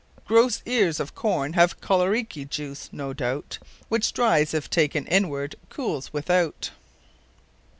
_Grosse Eares of Corne have Cholorique juice (no doubt) Which dries, if taken inward; cooles without.